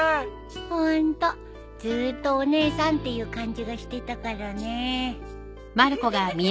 ホントずーっとお姉さんっていう感じがしてたからねえ。